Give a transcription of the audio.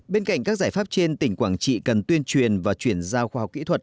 bên cạnh các giải pháp trên tỉnh quảng trị cần tuyên truyền và chuyển giao khoa học kỹ thuật